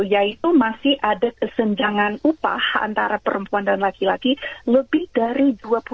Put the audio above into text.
yaitu masih ada kesenjangan upah antara perempuan dan laki laki lebih dari dua puluh